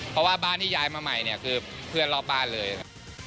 เพราะว่าบ้านที่ย้ายมาใหม่เนี่ยคือเพื่อนรอบบ้านเลย